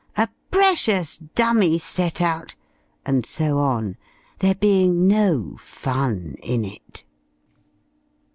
"a precious dummy set out!" and so on, there being no fun in it.